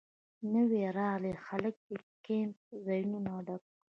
نوي راغلي خلک د کیمپ ځایونه ډکوي